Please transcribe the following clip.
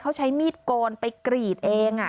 เขาใช้มีดโกนไปกรีดเอง